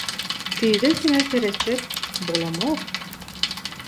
«Süýde siňe seretjek» bolamok.